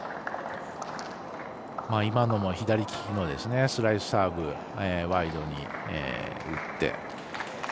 今のも左利きのスライスサーブワイドに打って。